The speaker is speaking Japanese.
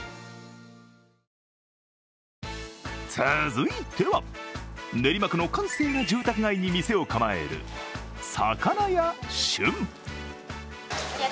続いては、練馬区の閑静な住宅街に店を構える魚屋旬。